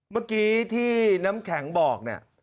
เมื่อกี้ที่น้ำแข็งบอกเนี่ย